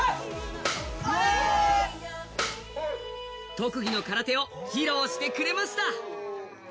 特技の空手を披露してくれました。